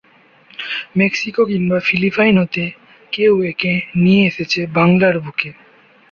Mexico কিংবা Philippine হতে কেউ একে নিয়ে এসেছে বাংলার বুকে।